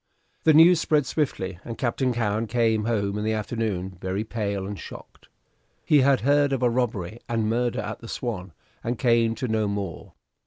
The news spread swiftly, and Captain Cowen came home in the afternoon, very pale and shocked. He had heard of a robbery and murder at the "Swan," and came to know more.